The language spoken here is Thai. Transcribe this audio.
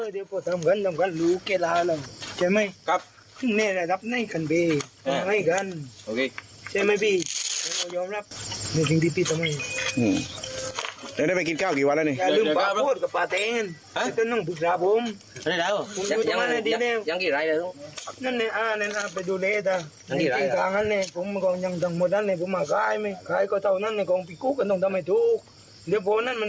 เดี๋ยวพวกนั้นมันมีปัญหาที่พูดมาเดี๋ยวต้องมายันพวกโค้นพวกไม่โค้นนั้น